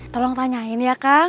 tolong tanyain ya